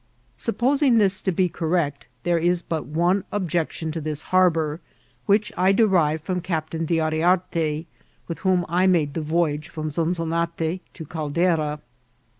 Siqyposing diis to be correet, there is but one objection to this harboijff, which I derive frooi Ciqptain D' Yriarte, with whom I made the voyage from Zoazonate to Caldera.